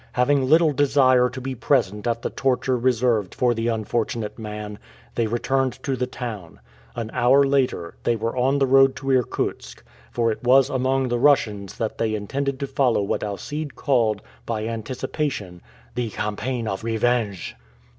Having little desire to be present at the torture reserved for the unfortunate man, they returned to the town. An hour later, they were on the road to Irkutsk, for it was among the Russians that they intended to follow what Alcide called, by anticipation, "the campaign of revenge."